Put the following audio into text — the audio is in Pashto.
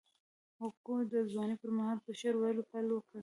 هوګو د ځوانۍ پر مهال په شعر ویلو پیل وکړ.